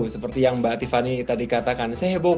seperti yang mbak tiffany tadi katakan